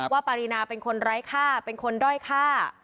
ปารีนาเป็นคนไร้ค่าเป็นคนด้อยฆ่า